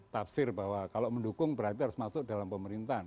tafsir bahwa kalau mendukung berarti harus masuk dalam pemerintahan